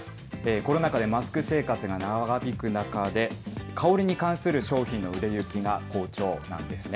コロナ禍でマスク生活が長引く中で、香りに関する商品の売れ行きが好調なんですね。